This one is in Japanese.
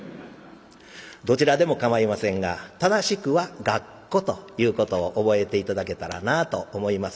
どちらでも構いませんが正しくは「がっこ」ということを覚えて頂けたらなと思います。